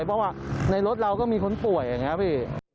เพราะว่าในรถเราก็มีคนป่วยอย่างนี้พี่